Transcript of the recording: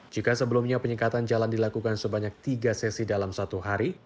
jika sebelumnya penyekatan jalan dilakukan sebanyak tiga sesi dalam satu hari